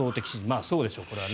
まあ、そうでしょう、これは。